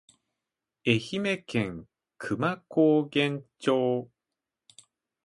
愛媛県久万高原町